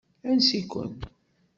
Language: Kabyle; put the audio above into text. Ansi-ken.